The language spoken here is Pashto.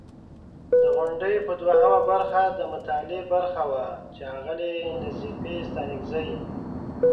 د غونډې په دوهمه برخه، د مطالعې برخه وه چې اغلې نظیفې ستانکزۍ